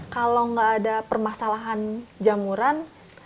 kalau nggak ada permasalahan jamuran